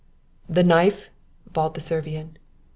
"The knife?" bawled the Servian.